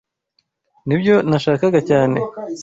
Nibyo nashakaga cyane.